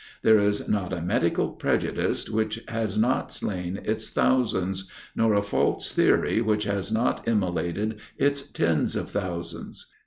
There is not a medical prejudice which has not slain its thousands, nor a false theory which has not immolated its tens of thousands.